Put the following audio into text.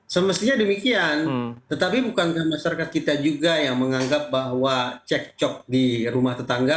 semestinya demikian tetapi bukankah masyarakat kita juga yang menganggap bahwa cek cok di rumah tetangga